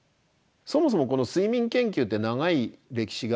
そもそもこの睡眠研究って長い歴史があるんですね。